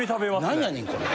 なんやねんこれ。